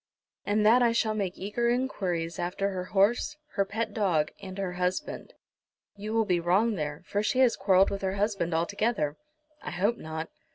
"And that I shall make eager enquiries after her horse, her pet dog, and her husband." "You will be wrong there, for she has quarrelled with her husband altogether." "I hope not."